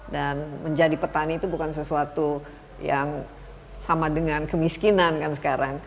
dan menjadi petani itu bukan sesuatu yang sama dengan kemiskinan kan sekarang